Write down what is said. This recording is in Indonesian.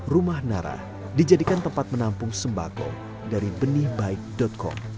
rumah nara dijadikan tempat menampung sembako dari benihbaik com